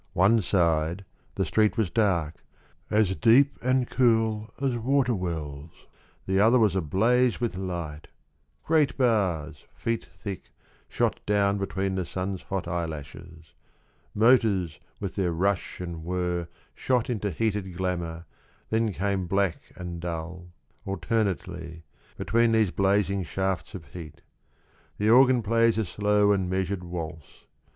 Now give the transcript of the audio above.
— One side, the street was dark, As deep and cool as water wells, The other was ablaze with light :— Great bars, feet thick, shot down Between the Sun's hot eyelashes ; Motors with their rush and whirr Shot into heated glamour, then came Black and dull, alternately, Between these blazing shafts of heat. The organ plays a slow and measured waltz.